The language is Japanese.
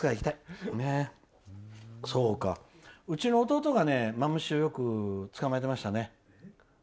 うちの弟がマムシをよく捕まえていましたね。